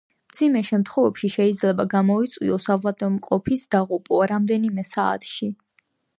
მძიმე შემთხვევებში შეიძლება გამოიწვიოს ავადმყოფის დაღუპვა რამდენიმე საათში.